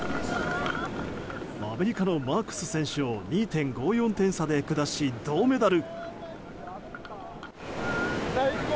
アメリカのマークス選手を２．５４点差で下し銅メダル。